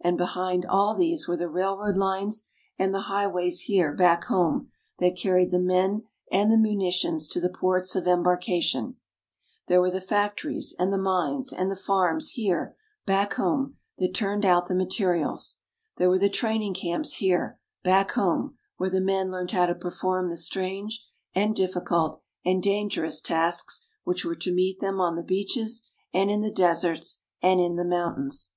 And behind all these were the railroad lines and the highways here back home that carried the men and the munitions to the ports of embarkation there were the factories and the mines and the farms here back home that turned out the materials there were the training camps here back home where the men learned how to perform the strange and difficult and dangerous tasks which were to meet them on the beaches and in the deserts and in the mountains.